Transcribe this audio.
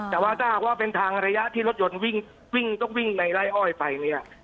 แต่ว่าถ้าหากว่าเป็นทางระยะที่รถยนต์วิ่งต้องวิ่งในไล่อ้อยไปเนี่ย